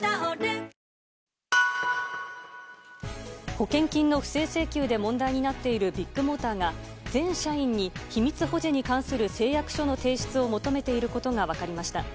保険金の不正請求で問題になっているビッグモーターが、全社員に秘密保持に関する誓約書の提出を求めていることが分かりました。